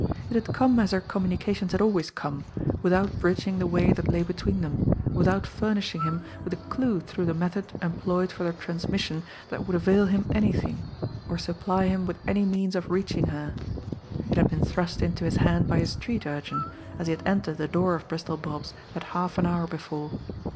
It had come as her communications had always come without bridging the way that lay between them, without furnishing him with a clue through the method employed for their transmission that would avail him anything, or supply him with any means of reaching her. It had been thrust into his hand by a street urchin, as he had entered the door of Bristol Bob's that half an hour before.